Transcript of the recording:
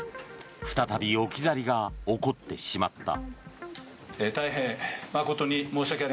再び、置き去りが起こってしまった。